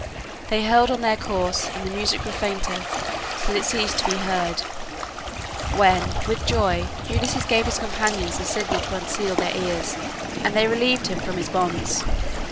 They held on their course, and the music grew fainter till it ceased to be heard, when with joy Ulysses gave his companions the signal to unseal their ears, and they relieved him from his bonds.